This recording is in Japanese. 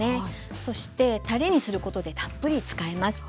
そしてたれにすることでたっぷり使えます。